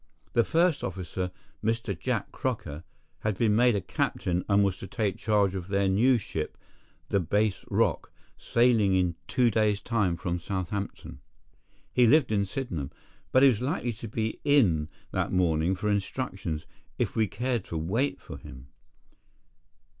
The first officer, Mr. Jack Crocker, had been made a captain and was to take charge of their new ship, the Bass Rock, sailing in two days' time from Southampton. He lived at Sydenham, but he was likely to be in that morning for instructions, if we cared to wait for him.